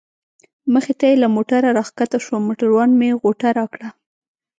مخې ته یې له موټره را کښته شوم، موټروان مې غوټه راکړه.